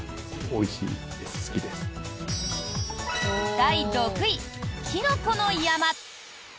第６位、きのこの山。